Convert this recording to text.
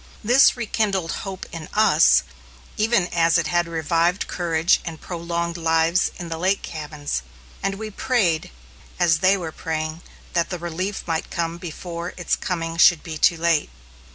This rekindled hope in us, even as it had revived courage and prolonged lives in the lake cabins, and we prayed, as they were praying, that the relief might come before its coming should be too late.